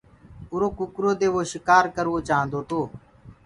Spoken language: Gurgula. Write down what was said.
اُرو ڪٚڪَرو دي وو شڪآر ڪروآوو چآهندو تو۔